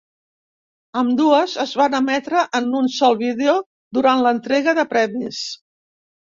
Ambdues es van emetre en un sol vídeo durant l'entrega de premis.